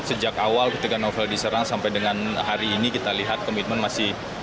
sejak awal ketika novel diserang sampai dengan hari ini kita lihat komitmen masih